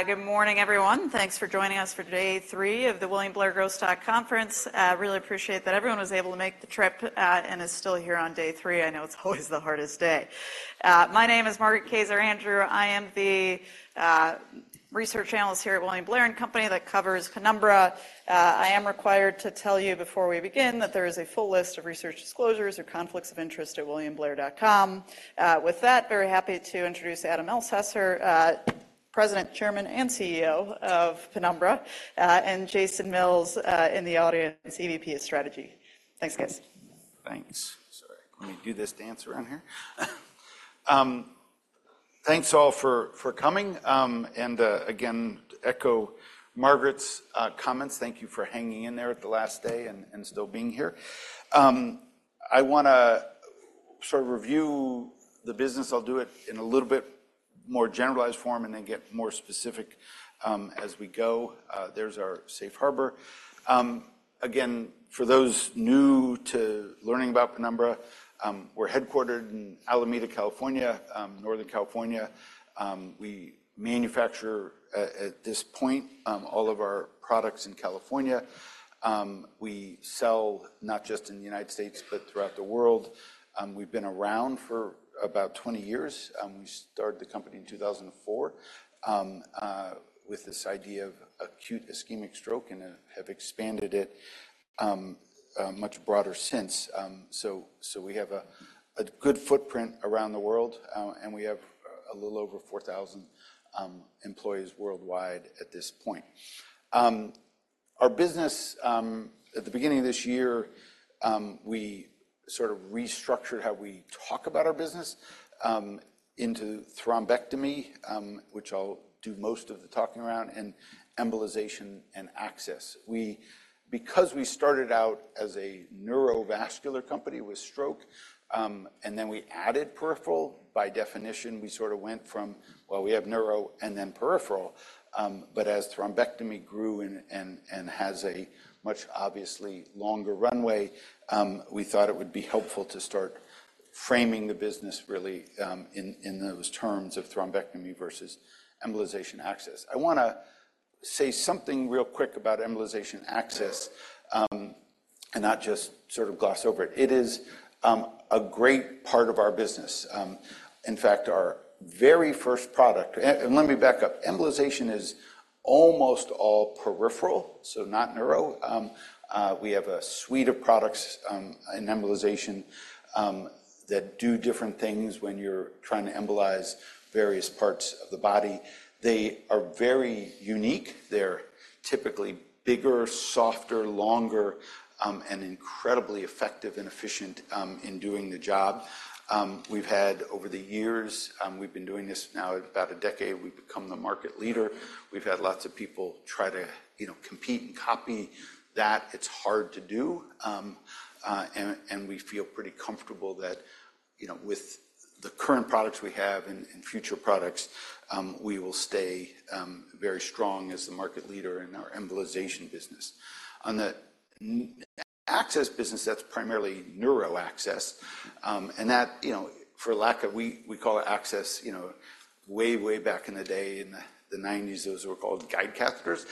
Hi, good morning, everyone. Thanks for joining us for day three of the William Blair Growth Stock Conference. Really appreciate that everyone was able to make the trip, and is still here on day three. I know it's always the hardest day. My name is Margaret Kaczor Andrew. I am the research analyst here at William Blair & Company that covers Penumbra. I am required to tell you before we begin that there is a full list of research disclosures or conflicts of interest at williamblair.com. With that, very happy to introduce Adam Elsesser, President, Chairman, and CEO of Penumbra, and Jason Mills, in the audience, EVP of Strategy. Thanks, guys. Thanks. Sorry, let me do this dance around here. Thanks all for coming. And again, to echo Margaret's comments, thank you for hanging in there at the last day and still being here. I wanna sort of review the business. I'll do it in a little bit more generalized form and then get more specific, as we go. There's our safe harbor. Again, for those new to learning about Penumbra, we're headquartered in Alameda, California, Northern California. We manufacture, at this point, all of our products in California. We sell not just in the United States, but throughout the world. We've been around for about 20 years. We started the company in 2004, with this idea of acute ischemic stroke and have expanded it, a much broader since. So we have a good footprint around the world, and we have a little over 4,000 employees worldwide at this point. Our business, at the beginning of this year, we sort of restructured how we talk about our business into thrombectomy, which I'll do most of the talking around, and embolization and access. Because we started out as a neurovascular company with stroke, and then we added peripheral, by definition, we sort of went from, well, we have neuro and then peripheral. But as thrombectomy grew and has a much obviously longer runway, we thought it would be helpful to start framing the business really in those terms of thrombectomy versus embolization access. I wanna say something real quick about embolization access, and not just sort of gloss over it. It is a great part of our business. In fact, our very first product—and let me back up. Embolization is almost all peripheral, so not neuro. We have a suite of products in embolization that do different things when you're trying to embolize various parts of the body. They are very unique. They're typically bigger, softer, longer, and incredibly effective and efficient in doing the job. We've had over the years, we've been doing this now about a decade, we've become the market leader. We've had lots of people try to, you know, compete and copy that. It's hard to do, and, and we feel pretty comfortable that, you know, with the current products we have and, and future products, we will stay very strong as the market leader in our embolization business. On the neuro access business, that's primarily neuro access, and that, you know, for lack of... We call it access, you know, way, way back in the day, in the '90s, those were called guide catheters.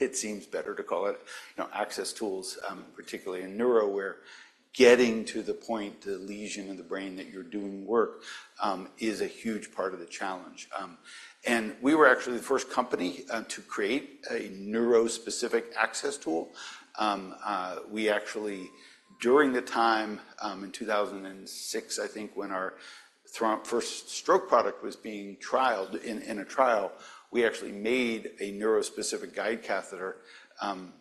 It seems better to call it, you know, access tools, particularly in neuro, where getting to the point, the lesion in the brain that you're doing work is a huge part of the challenge. And we were actually the first company to create a neuro-specific access tool. We actually, during the time, in 2006, I think, when our thrombectomy first stroke product was being trialed in a trial, we actually made a neuro-specific guide catheter,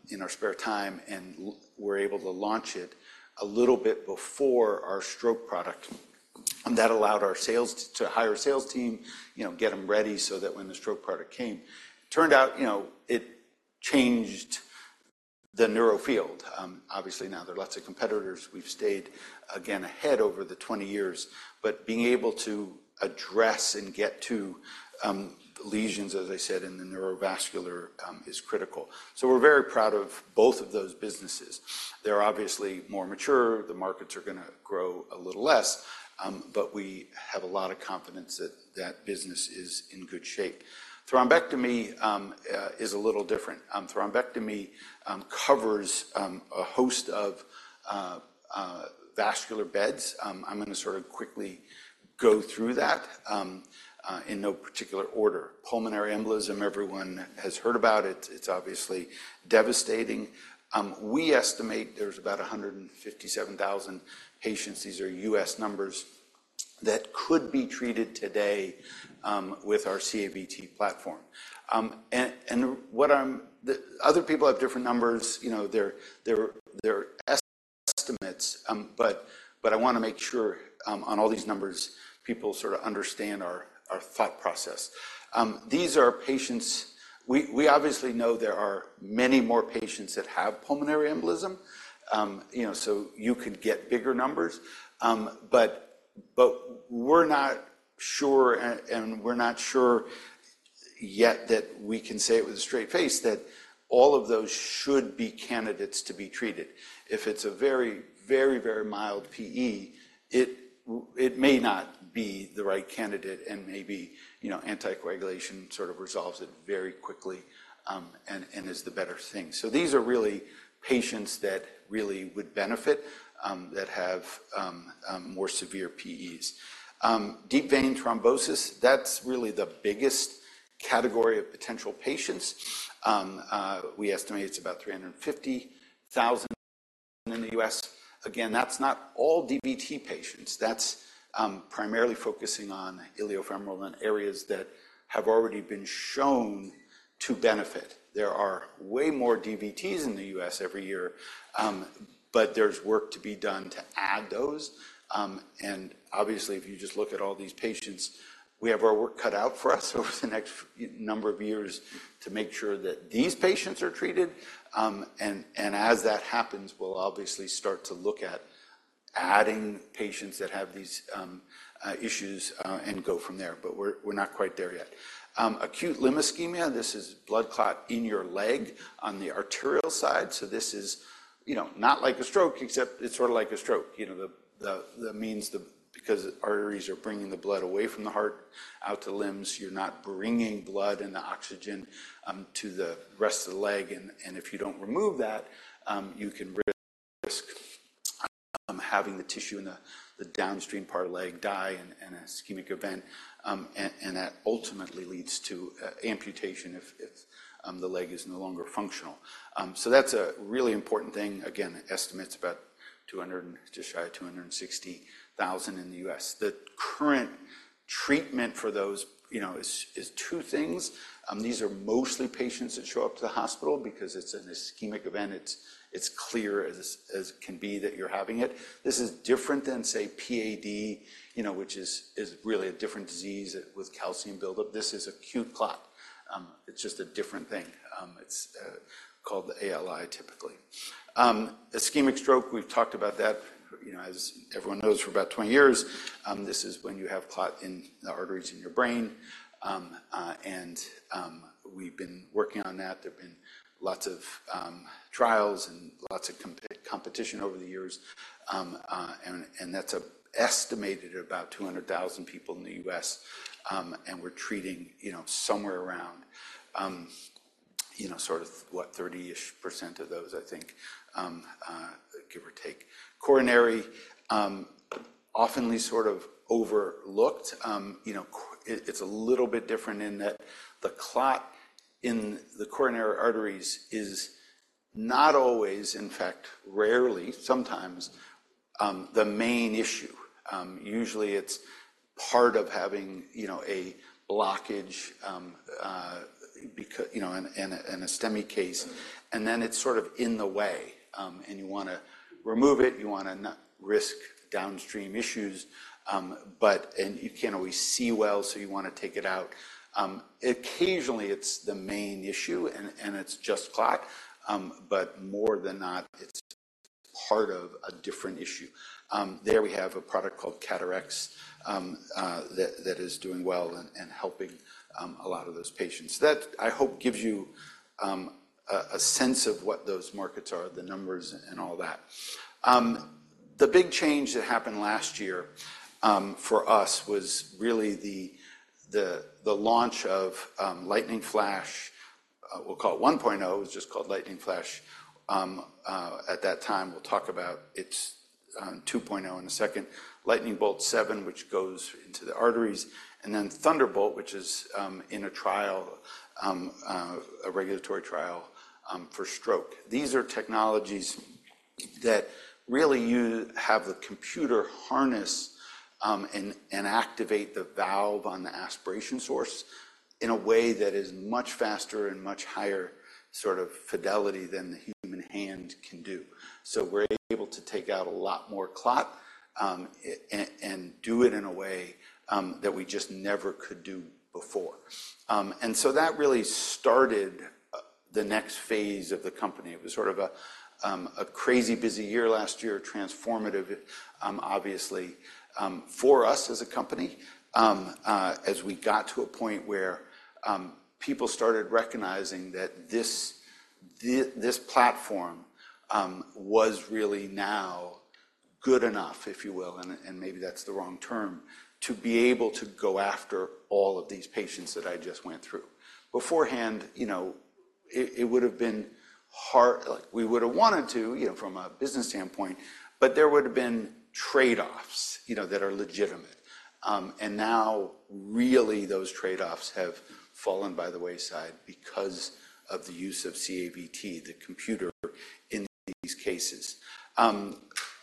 in our spare time, and we were able to launch it a little bit before our stroke product. That allowed our sales- to hire a sales team, you know, get them ready so that when the stroke product came... Turned out, you know, it changed the neuro field. Obviously, now there are lots of competitors. We've stayed, again, ahead over the 20 years, but being able to address and get to, lesions, as I said, in the neurovascular, is critical. So we're very proud of both of those businesses. They're obviously more mature. The markets are gonna grow a little less, but we have a lot of confidence that that business is in good shape. Thrombectomy is a little different. Thrombectomy covers a host of vascular beds. I'm gonna sort of quickly go through that, in no particular order. Pulmonary embolism, everyone has heard about it. It's obviously devastating. We estimate there's about 157,000 patients, these are U.S. numbers, that could be treated today with our CAVT platform. Other people have different numbers. You know, they're estimates, but I wanna make sure on all these numbers, people sort of understand our thought process. These are patients. We obviously know there are many more patients that have pulmonary embolism, you know, so you could get bigger numbers. But we're not sure yet that we can say it with a straight face that all of those should be candidates to be treated. If it's a very, very, very mild PE, it may not be the right candidate, and maybe, you know, anticoagulation sort of resolves it very quickly, and is the better thing. So these are really patients that really would benefit, that have more severe PEs. Deep vein thrombosis, that's really the biggest category of potential patients. We estimate it's about 350,000 in the U.S. Again, that's not all DVT patients. That's primarily focusing on iliofemoral and areas that have already been shown to benefit. There are way more DVTs in the U.S. every year, but there's work to be done to add those. Obviously, if you just look at all these patients, we have our work cut out for us over the next few number of years to make sure that these patients are treated. As that happens, we'll obviously start to look at adding patients that have these issues and go from there, but we're not quite there yet. Acute Limb Ischemia, this is blood clot in your leg on the arterial side. So this is, you know, not like a stroke, except it's sort of like a stroke. You know, that means because arteries are bringing the blood away from the heart out to limbs, you're not bringing blood and the oxygen to the rest of the leg, and if you don't remove that, you can risk having the tissue in the downstream part of leg die in an ischemic event, and that ultimately leads to amputation if the leg is no longer functional. So that's a really important thing. Again, estimates about 200 and just shy of 260,000 in the U.S. The current treatment for those, you know, is two things. These are mostly patients that show up to the hospital because it's an ischemic event. It's clear as can be that you're having it. This is different than, say, PAD, you know, which is really a different disease with calcium buildup. This is acute clot. It's just a different thing. It's called the ALI, typically. Ischemic stroke, we've talked about that, you know, as everyone knows, for about 20 years. This is when you have clot in the arteries in your brain. And we've been working on that. There've been lots of trials and lots of competition over the years. And that's estimated at about 200,000 people in the U.S., and we're treating, you know, somewhere around, you know, sort of, what, 30-ish% of those, I think, give or take. Coronary, often sort of overlooked. You know, it, it's a little bit different in that the clot in the coronary arteries is not always, in fact, rarely, sometimes, the main issue. Usually, it's part of having, you know, a blockage, you know, in a, in a STEMI case, and then it's sort of in the way, and you wanna remove it, you wanna not risk downstream issues, but and you can't always see well, so you wanna take it out. Occasionally, it's the main issue, and, and it's just clot, but more than not, it's part of a different issue. There we have a product called CAT RX, that, that is doing well and, and helping, a lot of those patients. That, I hope, gives you, a, a sense of what those markets are, the numbers and all that. The big change that happened last year for us was really the launch of Lightning Flash. We'll call it 1.0. It was just called Lightning Flash at that time. We'll talk about its 2.0 in a second. Lightning Bolt 7, which goes into the arteries, and then Thunderbolt, which is in a trial, a regulatory trial, for stroke. These are technologies that really you have the computer harness and activate the valve on the aspiration source in a way that is much faster and much higher sort of fidelity than the human hand can do. So we're able to take out a lot more clot and do it in a way that we just never could do before. And so that really started the next phase of the company. It was sort of a crazy busy year last year, transformative, obviously, for us as a company, as we got to a point where people started recognizing that this platform was really now good enough, if you will, and maybe that's the wrong term, to be able to go after all of these patients that I just went through. Beforehand, you know, it would have been hard, like, we would have wanted to, you know, from a business standpoint, but there would have been trade-offs, you know, that are legitimate. And now, really, those trade-offs have fallen by the wayside because of the use of CAVT, the computer, in these cases.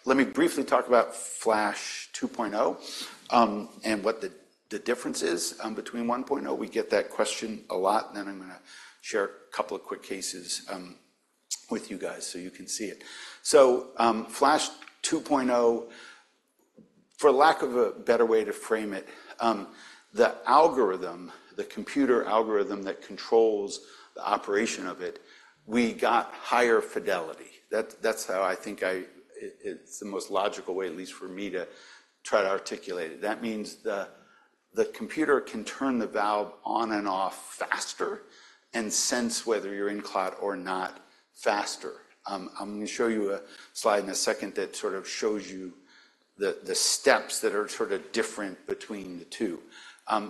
Let me briefly talk about Lightning Flash 2.0, and what the difference is between 1.0. We get that question a lot, and then I'm gonna share a couple of quick cases with you guys, so you can see it. So, Lightning Flash 2.0, for lack of a better way to frame it, the algorithm, the computer algorithm that controls the operation of it, we got higher fidelity. That's how I think it's the most logical way, at least for me, to try to articulate it. That means the computer can turn the valve on and off faster and sense whether you're in clot or not faster. I'm going to show you a slide in a second that sort of shows you the steps that are sort of different between the two.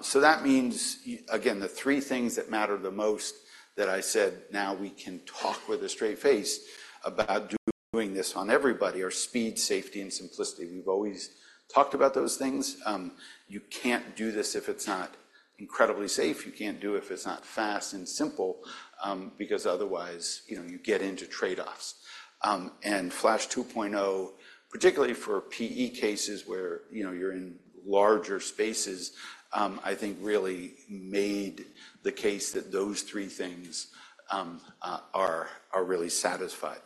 So that means, again, the three things that matter the most that I said, now we can talk with a straight face about doing this on everybody, are speed, safety, and simplicity. We've always talked about those things. You can't do this if it's not incredibly safe. You can't do it if it's not fast and simple, because otherwise, you know, you get into trade-offs. And Lightning Flash 2.0, particularly for PE cases where, you know, you're in larger spaces, I think really made the case that those three things are really satisfied.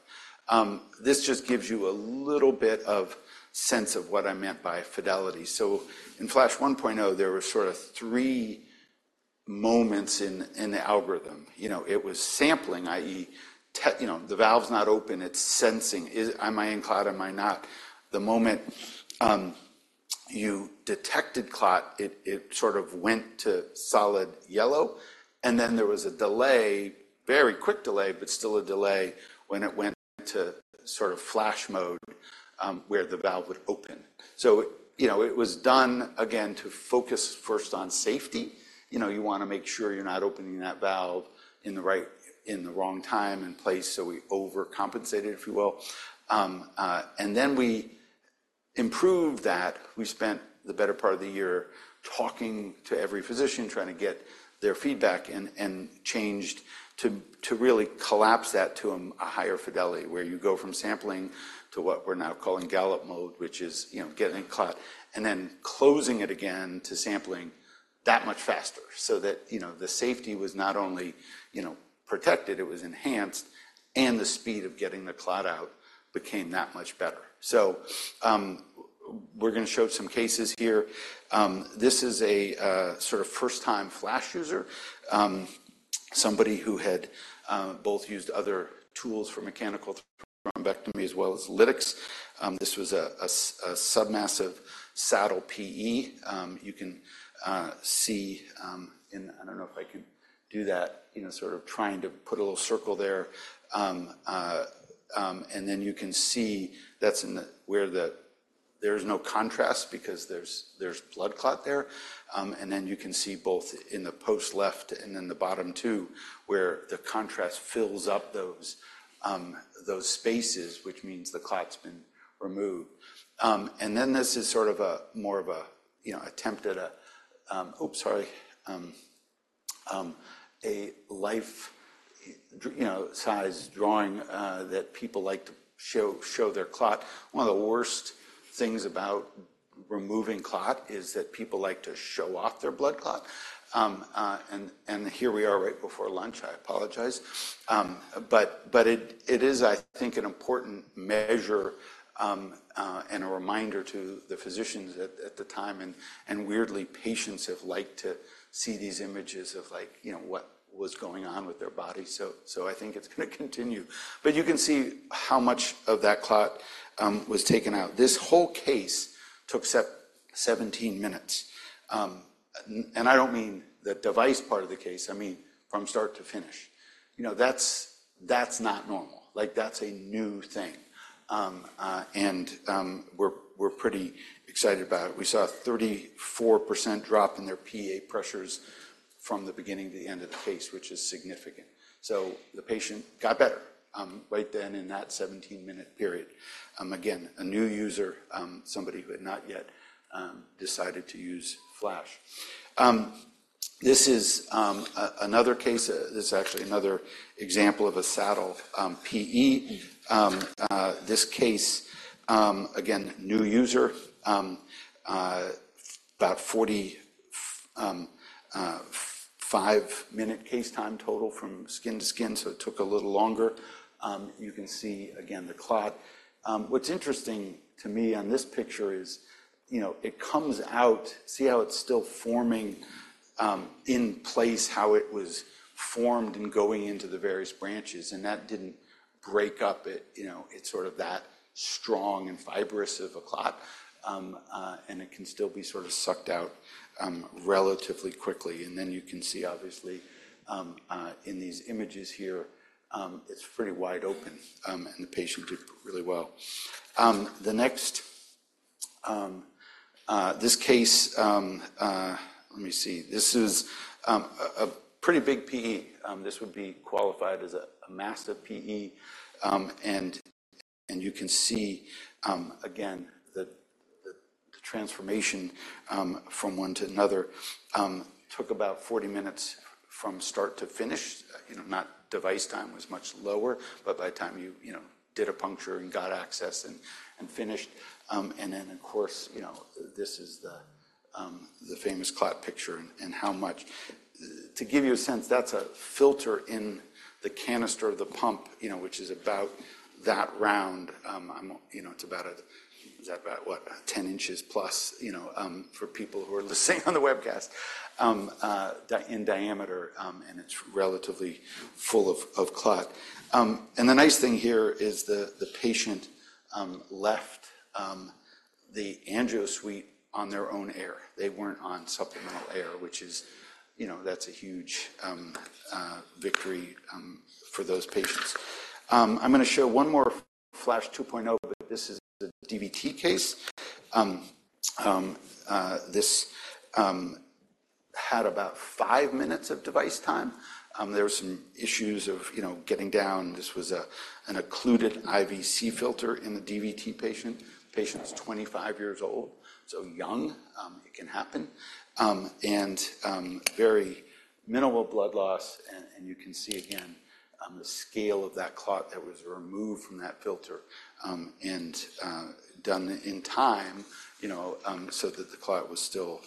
This just gives you a little bit of sense of what I meant by fidelity. So in Lightning Flash 1.0, there were sort of three moments in the algorithm. You know, it was sampling, i.e., you know, the valve's not open, it's sensing, is, am I in clot or am I not? The moment you detected clot, it, it sort of went to solid yellow, and then there was a delay, very quick delay, but still a delay when it went to sort of Flash mode, where the valve would open. So, you know, it was done again to focus first on safety. You know, you want to make sure you're not opening that valve in the right- in the wrong time and place, so we overcompensated, if you will. And then we improved that. We spent the better part of the year talking to every physician, trying to get their feedback and changed to really collapse that to a higher fidelity, where you go from sampling to what we're now calling Gallop mode, which is, you know, getting clot, and then closing it again to sampling that much faster so that, you know, the safety was not only, you know, protected, it was enhanced, and the speed of getting the clot out became that much better. So, we're going to show some cases here. This is a sort of first-time Flash user, somebody who had both used other tools for mechanical thrombectomy as well as lytics. This was a submassive saddle PE. You can see, and I don't know if I can do that, you know, sort of trying to put a little circle there. And then you can see that's in the where the there's no contrast because there's blood clot there. And then you can see both in the post left and in the bottom two, where the contrast fills up those those spaces, which means the clot's been removed. And then this is sort of a more of a, you know, attempt at a oops, sorry, a life, you know, size drawing that people like to show their clot. One of the worst things about removing clot is that people like to show off their blood clot. And here we are right before lunch, I apologize. It is, I think, an important measure, and a reminder to the physicians at the time, and weirdly, patients have liked to see these images of like, you know, what was going on with their body. So I think it's going to continue. But you can see how much of that clot was taken out. This whole case took 17 minutes. And I don't mean the device part of the case, I mean, from start to finish. You know, that's not normal. Like, that's a new thing. And we're pretty excited about it. We saw a 34% drop in their PA pressures from the beginning to the end of the case, which is significant. So the patient got better right then in that 17-minute period. Again, a new user, somebody who had not yet decided to use Flash. This is another case. This is actually another example of a saddle PE. This case, again, new user, about 45-minute case time total from skin to skin, so it took a little longer. You can see, again, the clot. What's interesting to me on this picture is, you know, it comes out, see how it's still forming in place, how it was formed and going into the various branches, and that didn't break up it. You know, it's sort of that strong and fibrous of a clot, and it can still be sort of sucked out relatively quickly. And then you can see, obviously, in these images here, it's pretty wide open, and the patient did really well. The next, this case, let me see. This is a pretty big PE. This would be qualified as a massive PE, and you can see, again, the transformation from one to another took about 40 minutes from start to finish. You know, not device time was much lower, but by the time you, you know, did a puncture and got access and finished. And then, of course, you know, this is the famous clot picture and how much... To give you a sense, that's a filter in the canister of the pump, you know, which is about that round. I'm, you know, it's about what, 10 inches plus, you know, for people who are listening on the webcast... in diameter, and it's relatively full of clot. And the nice thing here is the patient left the angio suite on their own air. They weren't on supplemental air, which is, you know, that's a huge victory for those patients. I'm gonna show one more Flash 2.0, but this is a DVT case. This had about five minutes of device time. There were some issues of, you know, getting down. This was an occluded IVC filter in the DVT patient. Patient's 25 years old, so young, it can happen. Very minimal blood loss, and you can see again the scale of that clot that was removed from that filter, and done in time, you know, so that the clot was still,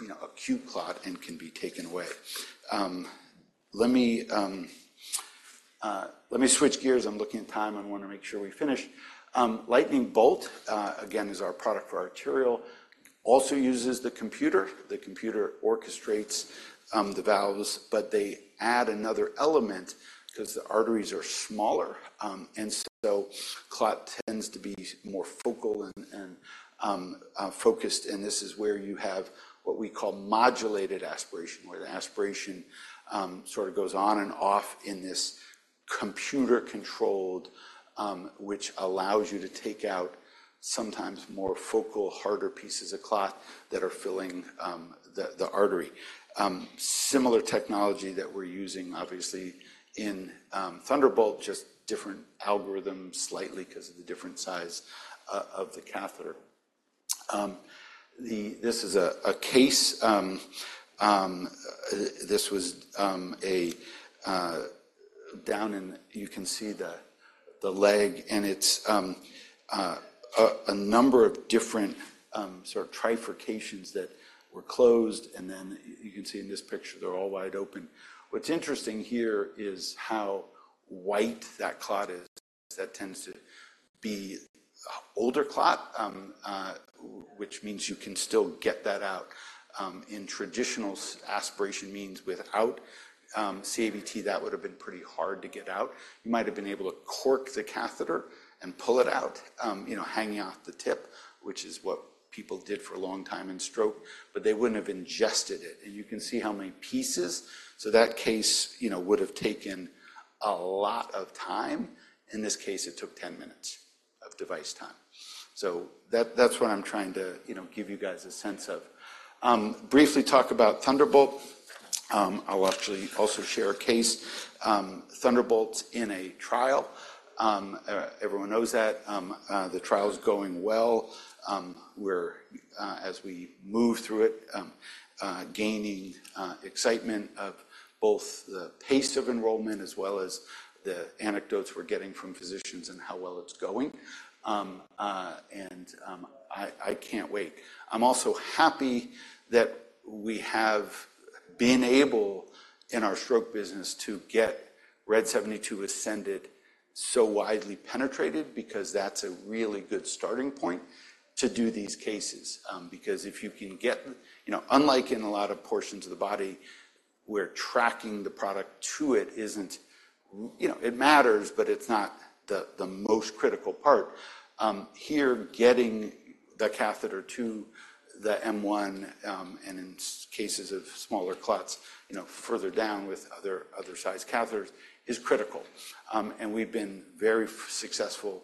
you know, acute clot and can be taken away. Let me switch gears. I'm looking at time, I wanna make sure we finish. Lightning Bolt again is our product for arterial, also uses the computer. The computer orchestrates the valves, but they add another element 'cause the arteries are smaller. And so clot tends to be more focal and focused, and this is where you have what we call modulated aspiration, where the aspiration sort of goes on and off in this computer-controlled, which allows you to take out sometimes more focal, harder pieces of clot that are filling the artery. Similar technology that we're using, obviously, in Thunderbolt, just different algorithms slightly 'cause of the different size of the catheter. This is a case. This was a down in... You can see the leg, and it's a number of different sort of trifurcations that were closed, and then you can see in this picture, they're all wide open. What's interesting here is how white that clot is. That tends to be older clot, which means you can still get that out, in traditional aspiration means. Without CAVT, that would've been pretty hard to get out. You might have been able to cork the catheter and pull it out, you know, hanging off the tip, which is what people did for a long time in stroke, but they wouldn't have ingested it. And you can see how many pieces. So that case, you know, would have taken a lot of time. In this case, it took 10 minutes of device time. So that, that's what I'm trying to, you know, give you guys a sense of. Briefly talk about Thunderbolt. I'll actually also share a case. Thunderbolt's in a trial, everyone knows that. The trial is going well. We're as we move through it, gaining excitement of both the pace of enrollment as well as the anecdotes we're getting from physicians and how well it's going. And I can't wait. I'm also happy that we have been able, in our stroke business, to get RED 72 SENDit so widely penetrated because that's a really good starting point to do these cases. Because if you can get... You know, unlike in a lot of portions of the body, where tracking the product to it isn't, you know, it matters, but it's not the most critical part. Here, getting the catheter to the M1, and in such cases of smaller clots, you know, further down with other size catheters, is critical. And we've been very successful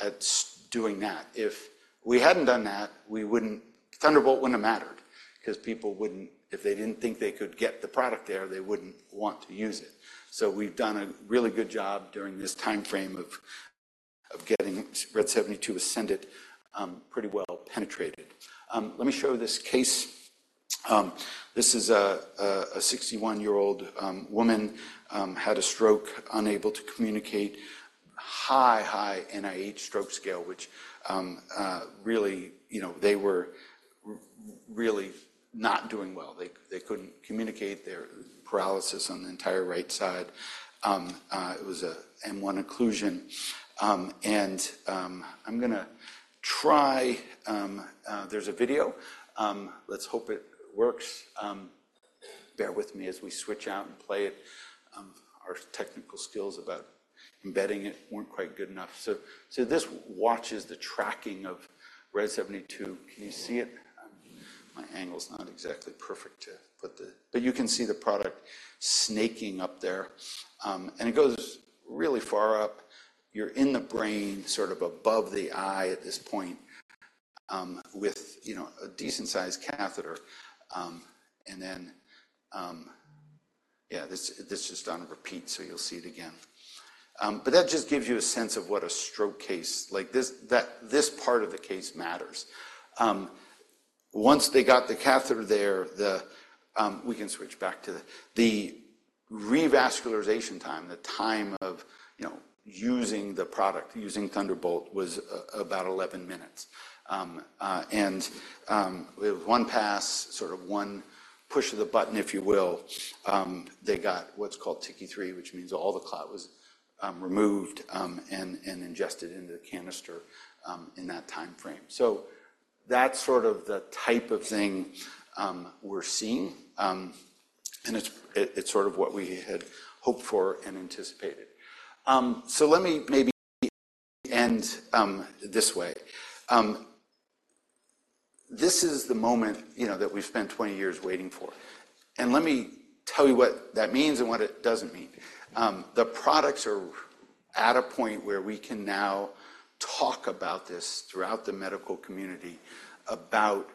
at doing that. If we hadn't done that, we wouldn't—Thunderbolt wouldn't have mattered 'cause people wouldn't. If they didn't think they could get the product there, they wouldn't want to use it. So we've done a really good job during this time frame of getting RED 72 SENDit pretty well penetrated. Let me show this case. This is a 61-year-old woman who had a stroke, unable to communicate, high NIH Stroke Scale, which really, you know, they were really not doing well. They couldn't communicate, their paralysis on the entire right side. It was a M1 occlusion. And I'm gonna try, there's a video. Let's hope it works. Bear with me as we switch out and play it. Our technical skills about embedding it weren't quite good enough. So this shows the tracking of RED 72. Can you see it? My angle's not exactly perfect to put the... But you can see the product snaking up there. And it goes really far up. You're in the brain, sort of above the eye at this point, with, you know, a decent-sized catheter. And then, yeah, this is just on a repeat, so you'll see it again. But that just gives you a sense of what a stroke case. Like, this part of the case matters. Once they got the catheter there, we can switch back to the revascularization time, the time of, you know, using the product, using Thunderbolt, was about 11 minutes. With 1 pass, sort of 1 push of the button, if you will, they got what's called TICI 3, which means all the clot was removed, and, and ingested into the canister in that time frame. So that's sort of the type of thing we're seeing. And it's, it, it's sort of what we had hoped for and anticipated. So let me maybe end this way. This is the moment, you know, that we've spent 20 years waiting for, and let me tell you what that means and what it doesn't mean. The products are at a point where we can now talk about this throughout the medical community about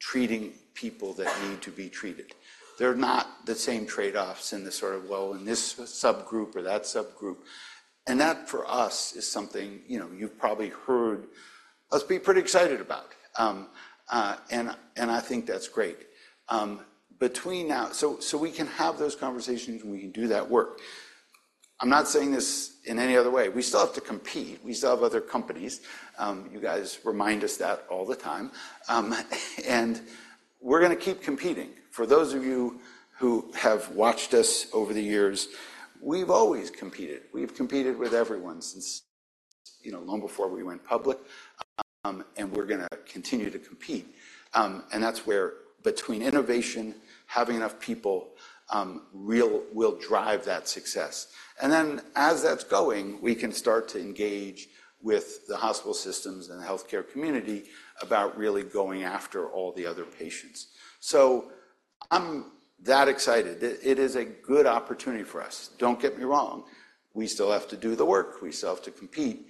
treating people that need to be treated. They're not the same trade-offs in the sort of, well, in this subgroup or that subgroup, and that, for us, is something, you know, you've probably heard us be pretty excited about. I think that's great. So we can have those conversations, and we can do that work. I'm not saying this in any other way. We still have to compete. We still have other companies. You guys remind us that all the time. And we're gonna keep competing. For those of you who have watched us over the years, we've always competed. We've competed with everyone since, you know, long before we went public, and we're gonna continue to compete. And that's where between innovation, having enough people, will drive that success. And then, as that's going, we can start to engage with the hospital systems and the healthcare community about really going after all the other patients. So I'm that excited. It is a good opportunity for us. Don't get me wrong, we still have to do the work. We still have to compete,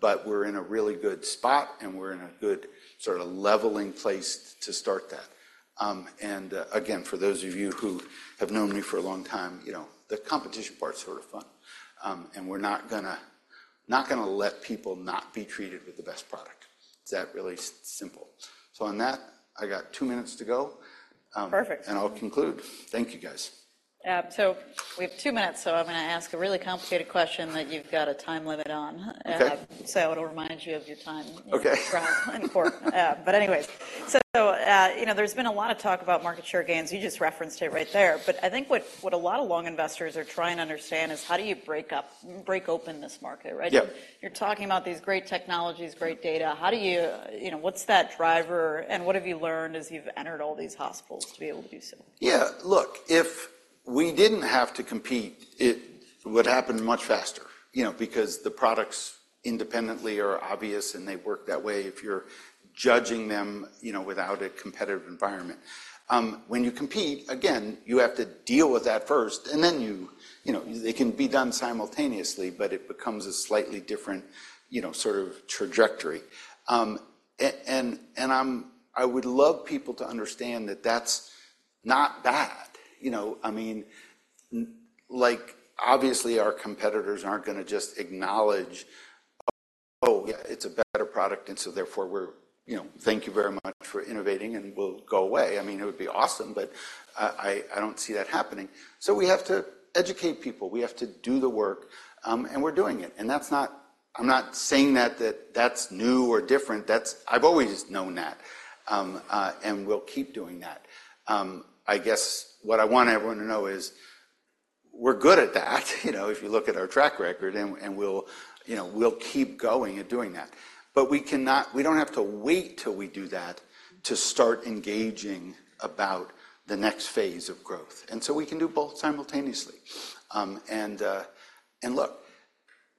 but we're in a really good spot, and we're in a good sort of leveling place to start that. And again, for those of you who have known me for a long time, you know, the competition part's sort of fun. And we're not gonna, not gonna let people not be treated with the best product. It's that really simple. So on that, I got two minutes to go. Perfect. I'll conclude. Thank you, guys. We have two minutes, so I'm gonna ask a really complicated question that you've got a time limit on. Okay. So it'll remind you of your time- Okay. Important. But anyways, so, you know, there's been a lot of talk about market share gains. You just referenced it right there, but I think what, what a lot of long investors are trying to understand is: how do you break up, break open this market, right? Yep. You're talking about these great technologies, great data. How do you... You know, what's that driver, and what have you learned as you've entered all these hospitals to be able to do so? Yeah, look, if we didn't have to compete, it would happen much faster, you know, because the products independently are obvious, and they work that way if you're judging them, you know, without a competitive environment. When you compete, again, you have to deal with that first, and then, you know, it can be done simultaneously, but it becomes a slightly different, you know, sort of trajectory. And I would love people to understand that that's not bad. You know, I mean, like, obviously, our competitors aren't gonna just acknowledge, "Oh, yeah, it's a better product, and so therefore, we're, you know... Thank you very much for innovating, and we'll go away." I mean, it would be awesome, but I don't see that happening. So we have to educate people. We have to do the work, and we're doing it, and that's not. I'm not saying that that's new or different. That's. I've always known that, and we'll keep doing that. I guess what I want everyone to know is we're good at that, you know, if you look at our track record, and, and we'll, you know, we'll keep going at doing that. But we cannot. We don't have to wait till we do that to start engaging about the next phase of growth, and so we can do both simultaneously. And look,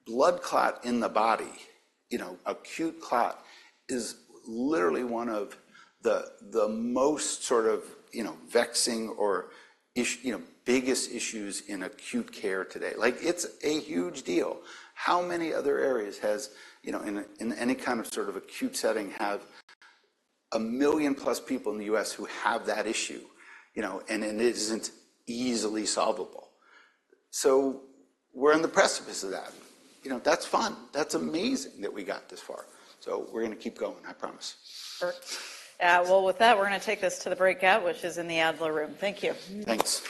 blood clot in the body, you know, acute clot is literally one of the most sort of, you know, vexing or, you know, biggest issues in acute care today. Like, it's a huge deal. How many other areas has, you know, in any kind of sort of acute setting, have a million-plus people in the U.S. who have that issue, you know, and it isn't easily solvable? So we're on the precipice of that. You know, that's fun. That's amazing that we got this far. So we're gonna keep going, I promise. Sure. Well, with that, we're gonna take this to the breakout, which is in the Adler Room. Thank you. Thanks.